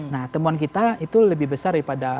nah temuan kita itu lebih besar daripada